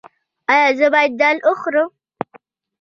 ایا زه باید دال وخورم؟